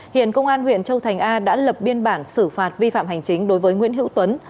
hiện công an huyện châu thành a đã lập biên bản xử phạt vi phạm hành chính đối với nguyễn hữu tuấn